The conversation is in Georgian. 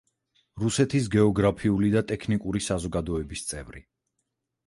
რუსეთის გეოგრაფიული და ტექნიკური საზოგადოების წევრი.